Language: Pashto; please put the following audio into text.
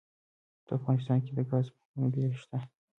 په افغانستان کې د ګاز منابع شته.